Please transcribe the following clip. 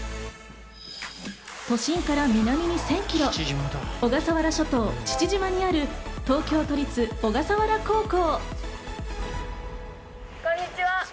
都心から南に１０００ｋｍ、小笠原諸島・父島にある東京都立小笠原高校。